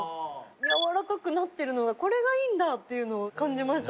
やわらかくなってるのがこれがいいんだっていうのを感じました